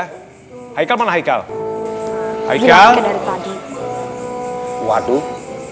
hai hai kemana hai hai hai hai hai waduh